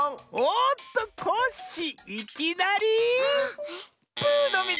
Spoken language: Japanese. おっとコッシーいきなりブーのミズ！